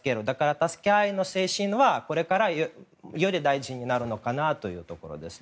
助け合いの精神はこれからより大事になるのかなというところですね。